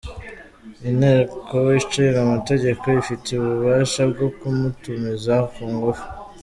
Inteko Ishinga Amategeko ifite ububasha bwo kumutumiza ku ngufu.”